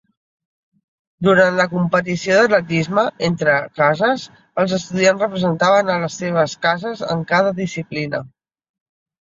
Durant la competició d'atletisme entre cases, els estudiants representaven a les seves cases en cada disciplina.